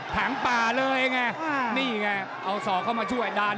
ถังป่าเลยไงนี่ไงเอาศอกเข้ามาช่วยดัน